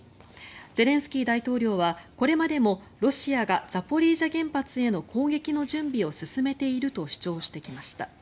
ゼレンスキー大統領はこれまでもロシアがザポリージャ原発への攻撃の準備を進めていると主張してきました。